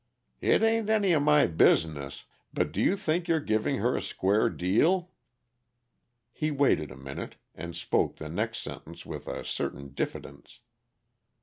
It ain't any of my business but do you think you're giving her a square deal?" He waited a minute, and spoke the next sentence with a certain diffidence.